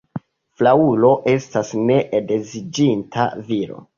Fraŭlo estas ne edziĝinta viro.